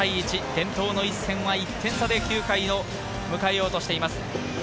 伝統の一戦は１点差で９回を迎えようとしています。